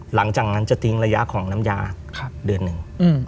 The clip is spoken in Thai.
หลังจากนั้นจะทิ้งระยะของน้ำยาเดือนหนึ่ง